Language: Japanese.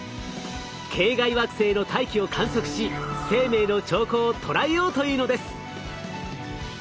系外惑星の大気を観測し生命の兆候を捉えようというのです。